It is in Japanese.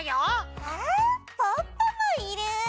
あポッポもいる！